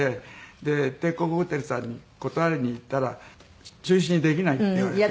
で帝国ホテルさんに断りに行ったら中止にできないって言われて。